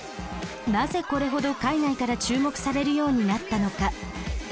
なぜこれほど海外から注目されるようになったのか？